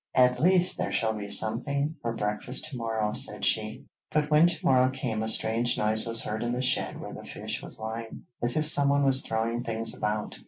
'At least, there shall be something for breakfast to morrow,' said she. But when to morrow came a strange noise was heard in the shed where the fish was lying, as if someone was throwing things about.